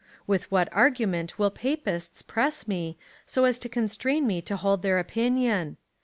With what argument will Papists press me, so as to constrain me to hold their opinion